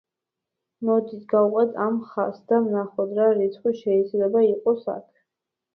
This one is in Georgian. მოდით გავყვეთ ამ ხაზს და ვნახოთ რა რიცხვი შეიძლება იყოს აქ.